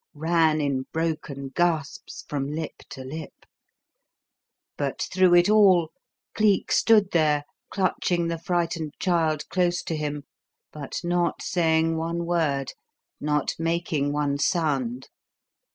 ran in broken gasps from lip to lip; but through it all Cleek stood there, clutching the frightened child close to him, but not saying one word, not making one sound.